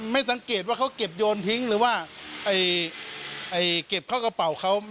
ไม่สังเกตว่าเขาเก็บโยนทิ้งหรือว่าเก็บเข้ากระเป๋าเขา